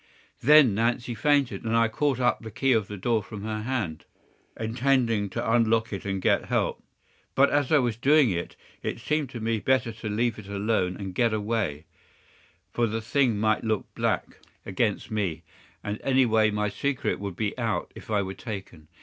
"Then Nancy fainted, and I caught up the key of the door from her hand, intending to unlock it and get help. But as I was doing it it seemed to me better to leave it alone and get away, for the thing might look black against me, and any way my secret would be out if I were taken.